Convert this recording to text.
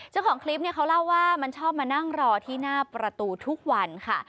เจ้าของคลิปเนี่ยเขาเล่าว่ามันชอบมานั่งรอที่หน้าประตูทุกวันค่ะ